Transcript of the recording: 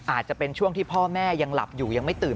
อาจจะเป็นช่วงที่พ่อแม่ยังหลับอยู่ยังไม่ตื่น